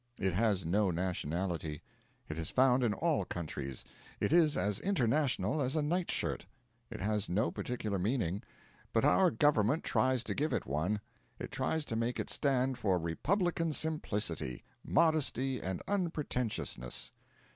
It has no nationality. It is found in all countries; it is as international as a night shirt. It has no particular meaning; but our Government tries to give it one; it tries to make it stand for Republican Simplicity, modesty and unpretentiousness.